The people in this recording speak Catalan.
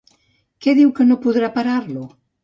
Què diu que no podrà parar-lo?